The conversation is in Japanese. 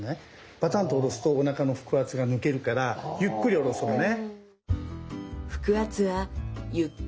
バタンと下ろすとおなかの腹圧が抜けるからゆっくり下ろそうね。